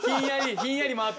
・ひんやりもあって。